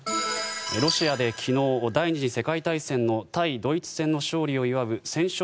ロシアで昨日、第２次世界大戦の対ドイツ戦の勝利を祝う戦勝